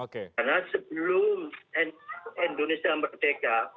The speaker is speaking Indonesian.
karena sebelum indonesia merdeka